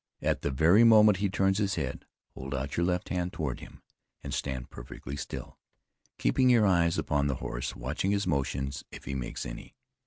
"At the very moment he turns his head, hold out your left hand towards him, and stand perfectly still, keeping your eyes upon the horse, watching his motions if he makes any.